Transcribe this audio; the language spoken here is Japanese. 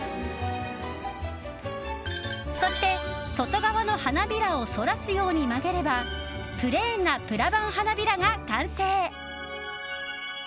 そして外側の花びらを反らすように曲げればプレーンなプラバン花びらが完成。